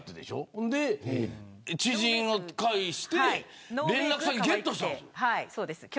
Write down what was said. それで知人を介して連絡先、ゲットしたんですよ。